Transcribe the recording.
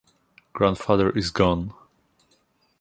Grandfather is gone.